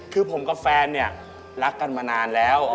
คือผมกับแฟนเนี่ยรักกันมานานแล้ว